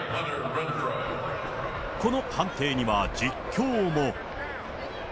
この判定には実況も。